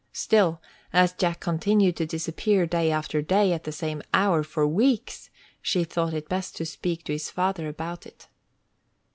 Still, as Jack continued to disappear, day after day, at the same hour, for weeks, she thought it best to speak to his father about it.